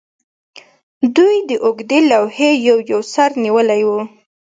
دوی د اوږدې لوحې یو یو سر نیولی و